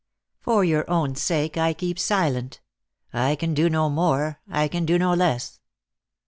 For your own sake I keep silent. I can do no more; I can do no less."